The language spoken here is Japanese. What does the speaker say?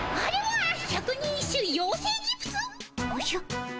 おじゃ？